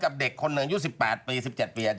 อาจารย์เศร้าคนไม่มีใครอธิบาย